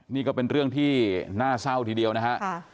นี่ก็เป็นเรื่องที่น่าเศร้าทีเดียวนะฮะ